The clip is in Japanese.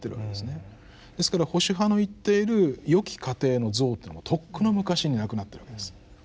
ですから保守派の言っているよき家庭の像というのはとっくの昔になくなってるわけです。